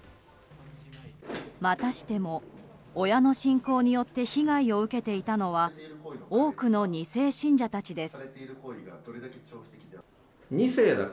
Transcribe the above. またしても、親の信仰によって被害を受けていたのは多くの２世信者たちです。